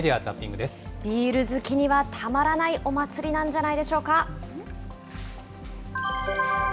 ビール好きにはたまらないお祭りなんじゃないでしょうか。